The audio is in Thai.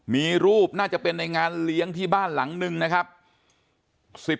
มีรูปน่าจะเป็นในงานเลี้ยงที่บ้านหลังนึงนะครับ